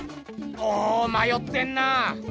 おおまよってんな。